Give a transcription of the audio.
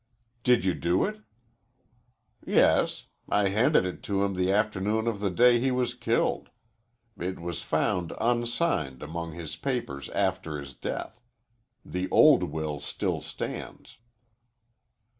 "Did you do it?" "Yes. I handed it to him the afternoon of the day he was killed. It was found unsigned among his papers after his death. The old will still stands."